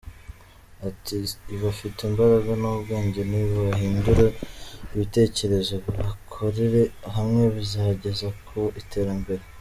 Ati “ Bafite imbaraga n’ubwenge nibahindure ibitekerezo bakorere hamwe bizabageza ku iterambere.